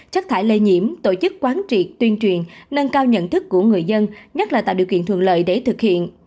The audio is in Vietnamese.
chất thải lây nhiễm tổ chức quán triệt tuyên truyền nâng cao nhận thức của người dân nhất là tạo điều kiện thuận lợi để thực hiện